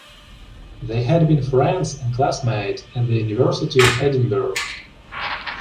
They had been friends and classmate at the University of Edinburgh.